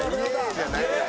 じゃない。